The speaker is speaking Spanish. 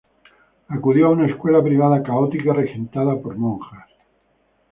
Acudió a una escuela privada católica regentada por monjas.